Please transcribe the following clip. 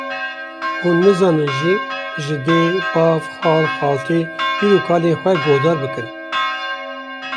hûn nizanin jî ji dê, bav, xal, xaltî, pîr û kalên xwe guhdar bikin